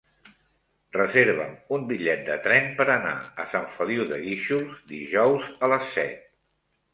Reserva'm un bitllet de tren per anar a Sant Feliu de Guíxols dijous a les set.